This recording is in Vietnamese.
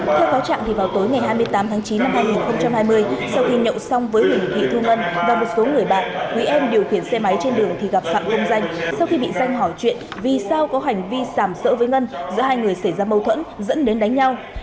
theo cáo trạng vào tối ngày hai mươi tám tháng chín năm hai nghìn hai mươi sau khi nhậu xong với huỳnh thị thu ngân và một số người bạn người em điều khiển xe máy trên đường thì gặp phạm công danh sau khi bị danh hỏi chuyện vì sao có hành vi sảm sỡ với ngân giữa hai người xảy ra mâu thuẫn dẫn đến đánh nhau